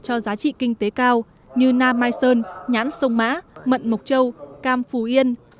cho giá trị kinh tế cao như nam mai sơn nhãn sông mã mận mộc châu cam phù yên